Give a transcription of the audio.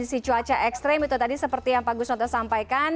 kondisi cuaca ekstrim itu tadi seperti yang pak guswanto sampaikan